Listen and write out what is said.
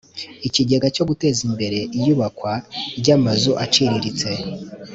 Ikigega cyo guteza imbere iyubakwa ry amazu aciriritse